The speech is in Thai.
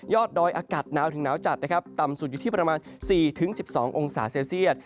ดอยอากาศหนาวถึงหนาวจัดนะครับต่ำสุดอยู่ที่ประมาณ๔๑๒องศาเซลเซียต